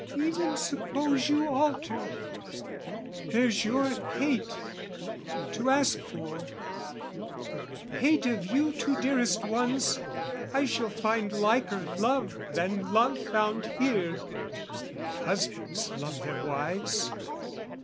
"'Even suppose you altered, there's your hate, "'To ask for: hate of you two dearest ones "'I shall find liker love than love found here, "'If husbands love their wives.